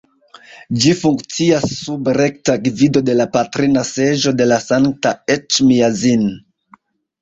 Ĝi funkcias sub rekta gvido de la Patrina Seĝo de Sankta Eĉmiadzin.